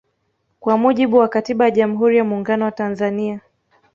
Kwa mujibu wa katiba ya jamhuri ya Muungano wa Tanzania